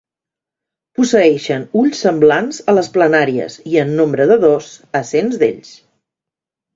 Posseeixen ulls semblants a les planàries i en nombre de dos a cents d'ells.